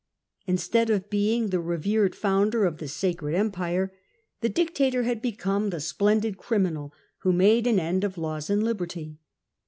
Instead of being the revered founder of the sacred empire, the dictator had become the splendid criminal who made an end of laws and liberty.